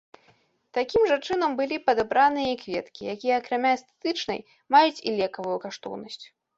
Такім жа чынам былі падабраныя і кветкі, якія акрамя эстэтычнай, маюць і лекавую каштоўнасць.